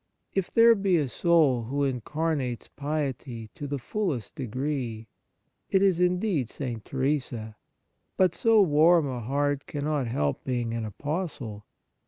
If there be a soul who incarnates piety to the fullest degree, it is indeed St. Theresa. But so warm a heart cannot help being an apostle.